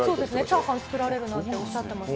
チャーハン作られるなんておっしゃってましたね。